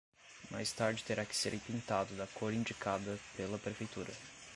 Mais tarde terá que ser pintado da cor indicada pela Prefeitura.